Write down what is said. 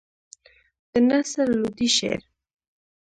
د نصر لودي شعر.